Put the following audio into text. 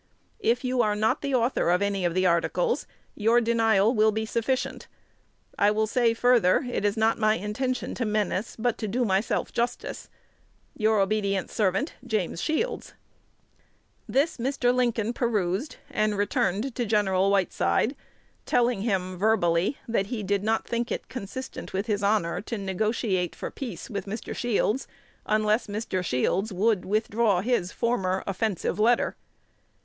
If you are not the author of any of the articles, your denial will be sufficient. I will say further, it is not my intention to menace, but to do myself justice. Your ob't serv't, [Copy.] Jas. Shields. This Mr. Lincoln perused, and returned to Gen. Whiteside, telling him verbally, that he did not think it consistent with his honor to negotiate for peace with Mr. Shields, unless Mr. Shields would withdraw his former offensive letter.